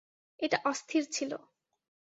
এটা অস্থির ছিল।